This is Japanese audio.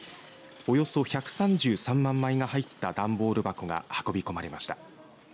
およそ１３３万枚が入った段ボール箱が運び込まれました。